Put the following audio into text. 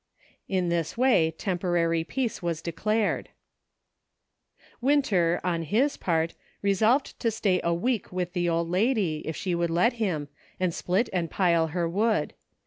In this way temporary peace was declared. Winter, on his part, resolved to stay a week with the old lady, if she would let him, and split and pile her wood.